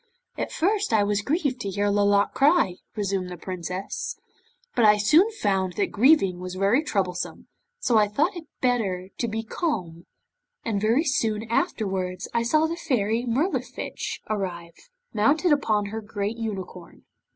'At first I was grieved to see Lolotte cry,' resumed the Princess, 'but I soon found that grieving was very troublesome, so I thought it better to be calm, and very soon afterwards I saw the Fairy Mirlifiche arrive, mounted upon her great unicorn.